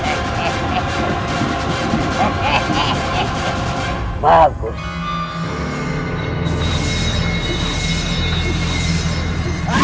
ya jadi pacurnya